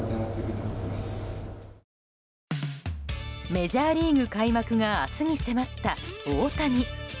メジャーリーグ開幕が明日に迫った大谷。